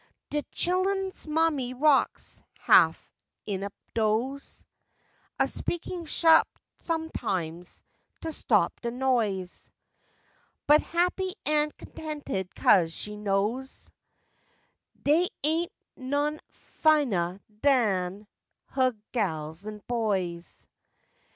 De chillun's mammy rocks, half in a doze, A speakin' sha'p sometimes, to stop de noise, But happy an' contented 'cos she knows Dey ain't none finuh dan huh gals an' boys.